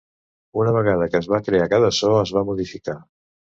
Una vegada que es va crear cada so, es va modificar.